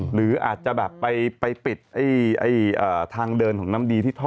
หรืออาจจะแบบไปปิดทางเดินของน้ำดีที่ท่อ